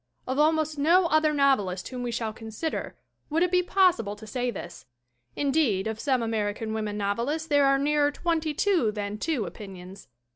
Of almost no other novelist whom we shall consider would it be possible to say this; indeed of some American women novelists there are nearer twenty two than two opinions.